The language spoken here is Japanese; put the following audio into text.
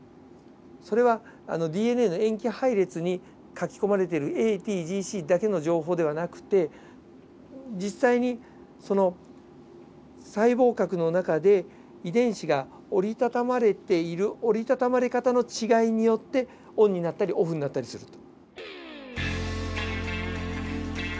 それはＤＮＡの塩基配列に書き込まれてるＡＴＧＣだけの情報ではなくて実際にその細胞核の中で遺伝子が折りたたまれている折りたたまれ方の違いによってオンになったりオフになったりすると。